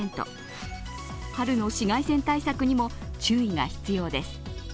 春の紫外線対策にも注意が必要です。